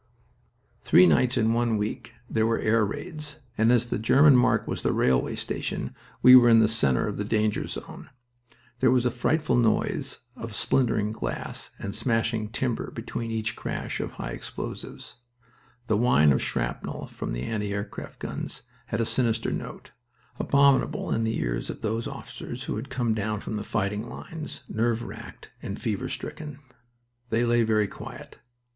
Three nights in one week there were air raids, and as the German mark was the railway station we were in the center of the danger zone. There was a frightful noise of splintering glass and smashing timber between each crash of high explosives. The whine of shrapnel from the anti aircraft guns had a sinister note, abominable in the ears of those officers who had come down from the fighting lines nerve racked and fever stricken. They lay very quiet.